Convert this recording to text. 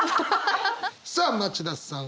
さあ町田さん